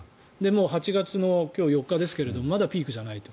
もう８月の４日ですがまだピークじゃないと。